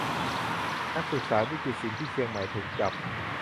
นักศึกษาวิจิตรศิลป์ที่เชียงใหม่ ถูกจับ